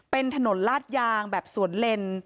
เป็นถนนลาดยางแบบสวนเลน